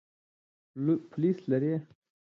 پولیس لري.